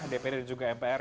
dpr dan juga mpr